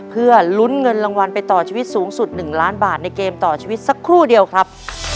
เพื่อลุ้นเงินรางวัลไปต่อชีวิตสูงสุด๑ล้านบาทในเกมต่อชีวิตสักครู่เดียวครับ